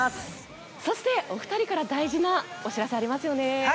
そして、お二人から大事なお知らせがありますよね。